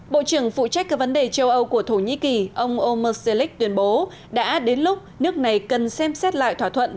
bộ trưởng phụ trách các vấn đề châu âu của thổ nhĩ kỳ ông omersellic tuyên bố đã đến lúc nước này cần xem xét lại thỏa thuận